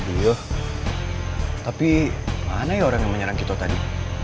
iya tapi mana ya orang yang menyerang kita tadi